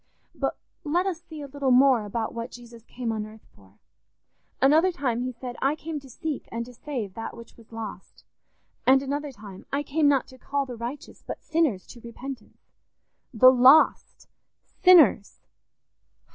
"But let us see a little more about what Jesus came on earth for. Another time he said, 'I came to seek and to save that which was lost'; and another time, 'I came not to call the righteous but sinners to repentance.' "The _lost!... Sinners!